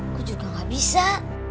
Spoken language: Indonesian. aku juga gak bisa